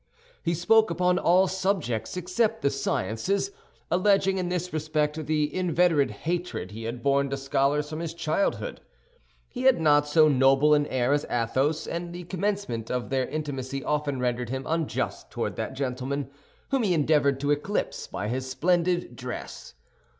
He spoke upon all subjects except the sciences, alleging in this respect the inveterate hatred he had borne to scholars from his childhood. He had not so noble an air as Athos, and the commencement of their intimacy often rendered him unjust toward that gentleman, whom he endeavored to eclipse by his splendid dress.